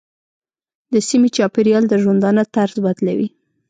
د سیمې چاپېریال د ژوندانه طرز بدلوي.